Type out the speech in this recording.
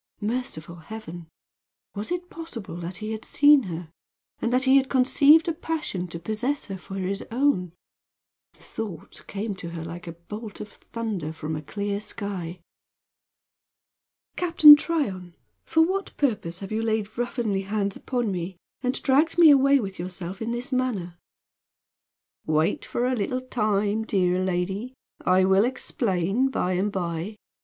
Merciful heaven! Was it possible that he had seen her, and that he had conceived a passion to possess her for his own? The thought came to her like a bolt of thunder from a clear sky. "Captain Tryon, for what purpose have you laid ruffianly hands upon me and dragged me away with yourself in this manner?" "Wait for a little time, dear lady. I will explain by and by.